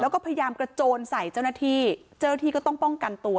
แล้วก็พยายามกระโจนใส่เจ้าหน้าที่เจ้าหน้าที่ก็ต้องป้องกันตัว